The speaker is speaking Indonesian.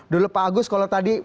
dulu pak agus kalau tadi